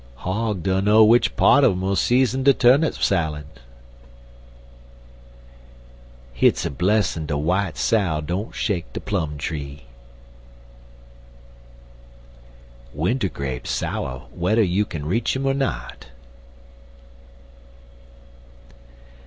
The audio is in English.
Hog dunner w'ich part un 'im'll season de turnip salad. Hit's a blessin' de w'ite sow don't shake de plum tree. Winter grape sour, whedder you kin reach 'im or not.